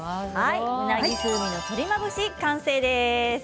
うなぎ風味の鶏まぶし完成です。